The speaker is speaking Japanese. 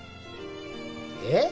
えっ！？